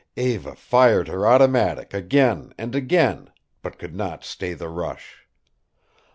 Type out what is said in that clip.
Eva fired her automatic again and again, but could not stay the rush.